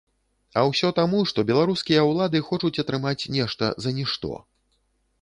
А ўсё таму, што беларускія ўлады хочуць атрымаць нешта за нішто.